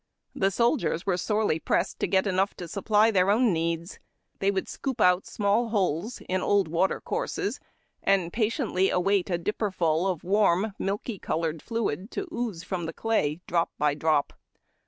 The soldiers were sorely pressed to get enough to supply their own needs. They would scoop out small holes in old water courses, and patiently await a dipperfuU of a warm, milky colored fluid to ooze from the clay, drop by drop.